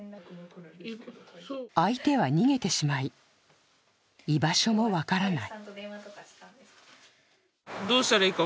相手は逃げてしまい、居場所も分からない。